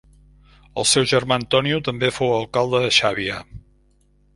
El seu germà Antonio també fou alcalde de Xàbia.